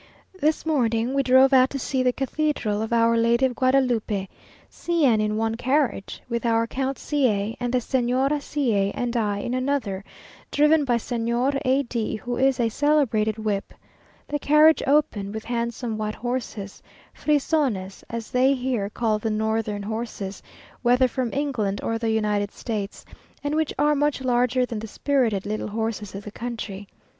This morning we drove out to see the cathedral of Our Lady of Guadalupe: C n in one carriage with Count C a, and the Señora C a and I in another, driven by Señor A d, who is a celebrated whip; the carriage open, with handsome white horses, frisones, as they here call the northern horses, whether from England or the United States, and which are much larger than the spirited little horses of the country.